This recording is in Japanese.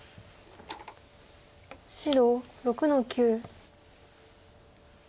白６の九。